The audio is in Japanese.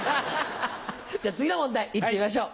じゃあ次の問題いってみましょう。